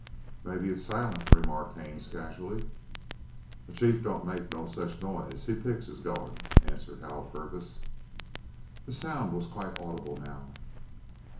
"Maybe it's Silent," remarked Haines casually. "The chief don't make no such a noise. He picks his goin'," answered Hal Purvis. The sound was quite audible now.